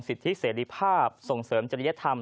สิทธิเสรีภาพส่งเสริมจริยธรรม